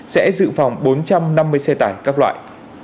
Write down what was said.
sẽ giữ phòng bốn trăm năm mươi xe tải các loại